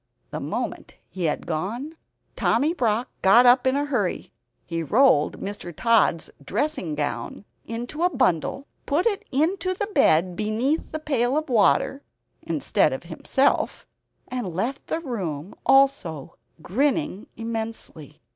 The moment he had gone, Tommy Brock got up in a hurry; he rolled Mr. Tod's dressing gown into a bundle, put it into the bed beneath the pail of water instead of himself, and left the room also grinning immensely.